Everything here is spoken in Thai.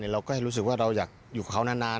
เราก็รู้สึกว่าเราอยากอยู่กับเขานาน